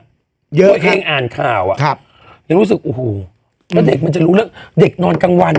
เยอะครับเพราะแห้งอ่านข่าวแล้วเด็กมันจะรู้เรื่องเด็กนอนกลางวัน